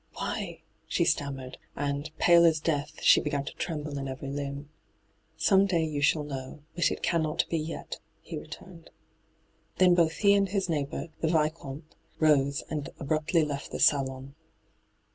' Why V she stammered, and, pale as death, she began to tremble in every limb. ' Some day you shall know ; but it cannot be yet,' he returned. Then both he and his neighbour, the Vicomte, rose and abruptly left the saloon.